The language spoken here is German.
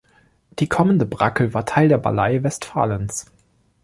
Die Kommende Brackel war Teil der Ballei Westfalens.